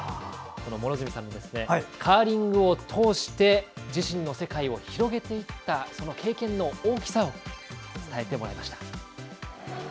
両角さんのカーリングを通して自分の世界を広げていった経験の大きさを伝えてもらいました。